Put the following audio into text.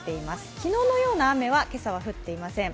昨日のような雨は今朝は降っていません。